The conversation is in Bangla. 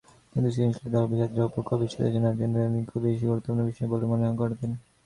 কিন্তু সৃজনশীলতার অভিযাত্রার ওপর কবির সচেতন নিয়ন্ত্রণকে তিনি খুবই গুরুত্ববহ বিষয় বলে মনে করতেন।